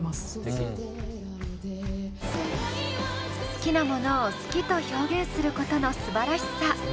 好きなものを好きと表現することのすばらしさ。